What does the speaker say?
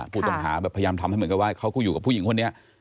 ผู้ต้องหาแบบพยายามทำให้เหมือนกับว่าเขาก็อยู่กับผู้หญิงคนนี้